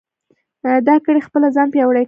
دا کړۍ خپله ځان پیاوړې کوي.